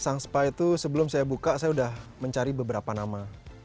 sang spa itu sebelum saya buka saya sudah mencari beberapa nama